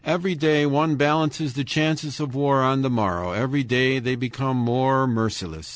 Every day one balances the chances of war on the morrow, every day they become more merciless.